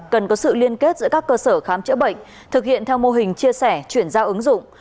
cần có sự liên kết giữa các cơ sở khám chữa bệnh thực hiện theo mô hình chia sẻ chuyển giao ứng dụng